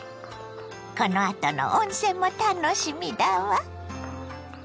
このあとの温泉も楽しみだわ。